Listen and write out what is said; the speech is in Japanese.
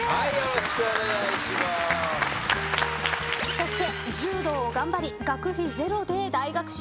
そして柔道を頑張り学費ゼロで大学進学。